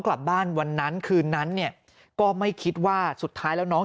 กลับบ้านวันนั้นคืนนั้นเนี่ยก็ไม่คิดว่าสุดท้ายแล้วน้อง